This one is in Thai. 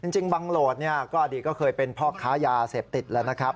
จริงบังโหลดก็อดีตก็เคยเป็นพ่อค้ายาเสพติดแล้วนะครับ